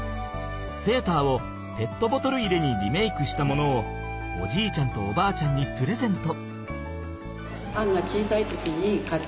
セーターをペットボトル入れにリメイクしたものをおじいちゃんとおばあちゃんにプレゼント。